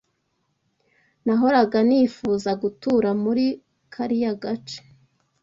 Nahoraga nifuza gutura muri kariya gace.